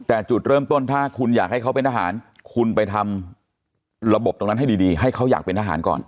แต่จุดเริ่มต้นถ้าคุณอยากให้เขาเป็นทหารคุณไปทำระบบตรงนั้นให้ดีให้เขาอยากเป็นทหารก่อน